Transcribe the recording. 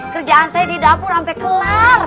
kerjaan saya di dapur sampai kelar